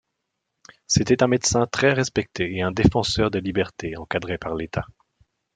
C'était un médecin très respecté et un défenseurs des libertés encadrées par l'État.